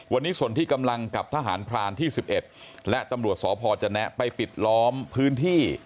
วันนี้ส่วนที่กำลังกับทหารพรานที่๑๑และตำรวจสพจแนะไปปิดล้อมพื้นที่